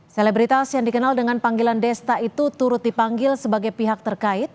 selebritas yang dikenal dengan panggilan desta itu turut dipanggil sebagai pihak terkait